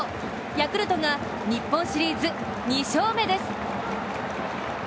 ヤクルトが日本シリーズ２勝目です。